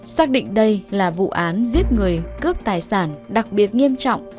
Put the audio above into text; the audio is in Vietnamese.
xác định đây là vụ án giết người cướp tài sản đặc biệt nghiêm trọng